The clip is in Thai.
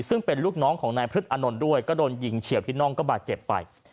ซึ่งเป็นลูกน้องของนายพฤษอานนท์ด้วยก็โดนยิงเฉียวที่น่องก็บาดเจ็บไป